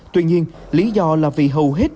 tuy nhiên lý do là vì hầu hết